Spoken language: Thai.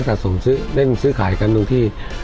สะสมซื้อเล่นซื้อขายกันตรงที่